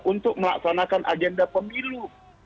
untuk melaksanakan agenda pemilu